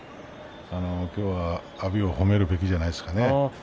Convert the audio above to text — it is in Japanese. きょうは阿炎を褒めるべきじゃないですか。